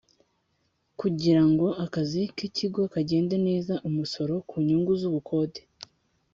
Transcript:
Kugira ngo akazi k ikigo kagende neza umusoro ku nyungu z ubukode